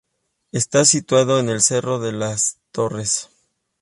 Está situado en el Cerro de Las Torres.